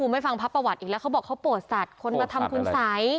มาโปรดสัตว์คนมาทำคุณสาย